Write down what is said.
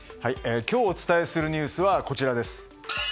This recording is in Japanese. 今日お伝えするニュースはこちらです。